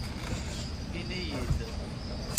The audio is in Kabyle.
Iniyi-d!